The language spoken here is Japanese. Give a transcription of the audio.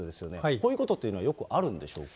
こういうことっていうのはよくあるんでしょうか。